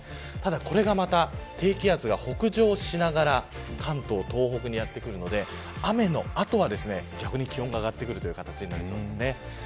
これがまた低気圧が北上しながら関東、東北にやってくるので雨の後は逆に気温が上がってくるという形になりそうです。